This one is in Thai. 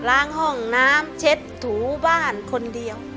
ล้างห้องน้ำเช็ดถูบ้านคนเดียว